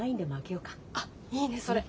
あっいいねそれ。